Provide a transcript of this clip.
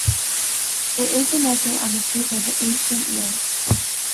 It is an essay on the shape of the ancient year.